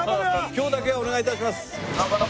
今日だけはお願い致します。